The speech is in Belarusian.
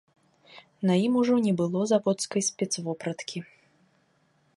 На ім ужо не было заводскай спецвопраткі.